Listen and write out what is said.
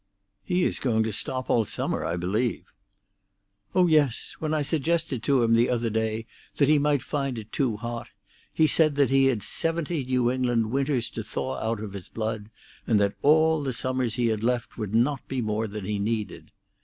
"He is going to stop all summer, I believe." "Oh yes. When I suggested to him the other day that he might find it too hot, he said that he had seventy New England winters to thaw out of his blood, and that all the summers he had left would not be more than he needed.